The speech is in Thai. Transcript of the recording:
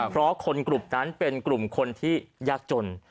เพราะคนกลุ่มนั้นเป็นกลุ่มคนที่ยากจน